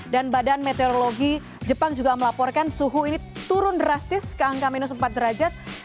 dan badan meteorologi jepang juga melaporkan suhu ini turun drastis ke angka minus empat derajat